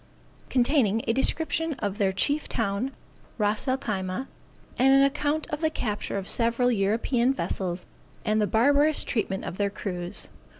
_Containing a description of their chief town, Ras El Khyma, and an account of the capture of several European vessels, and the barbarous treatment of their crews.